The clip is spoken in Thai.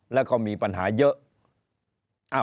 แล้วก็มีปัญหาเยอะ